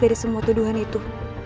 dari semua tuduhan itu